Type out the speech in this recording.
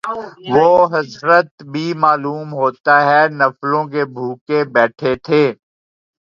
وہ حضرت بھی معلوم ہوتا ہے نفلوں کے بھوکے بیٹھے تھے